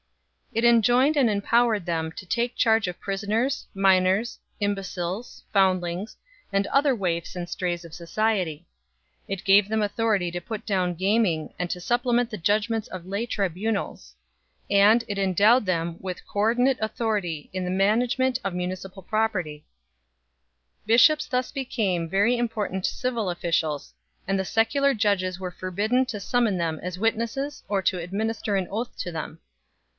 It enjoined and empowered them to take charge of prisoners, minors, imbeciles, foundlings, and other waifs and strays of society 1 ; it gave them authority to put down gaming 2 and to supplement the judgments of lay tribunals 3 ; and it endowed them with co ordinate authority in the management of municipal property 4 . Bishops thus became very important civil officials, and the secular judges were forbidden to summon them as witnesses or to administer an oath to them 5